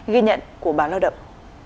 ghi nhận của báo lao động